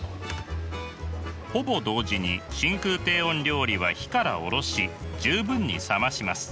ほぼ同時に真空低温料理は火から下ろし十分に冷まします。